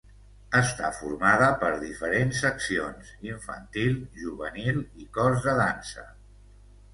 Està formada per diferents seccions: infantil, juvenil i cos de dansa.